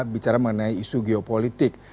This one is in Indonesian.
bicara mengenai isu geopolitik